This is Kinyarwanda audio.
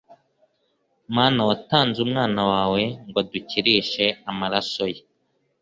Mana watanze umwana wawe ngwadukirishe amaraso ye